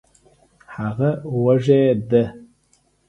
هغه وږې ده